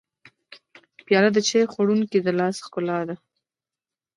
پیاله د چای خوړونکي د لاس ښکلا ده.